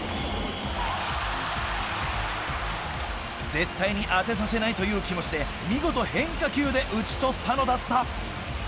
絶対に当てさせないという気持ちで見事変化球で打ち取ったのだった